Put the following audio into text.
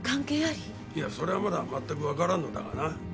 いやそれはまだまったくわからんのだがな。